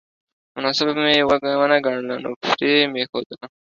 مناسبه مې ونه ګڼله نو پرې مې ښودله